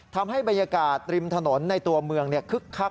ทำให้บรรยากาศริมถนนในตัวเมืองคึกคัก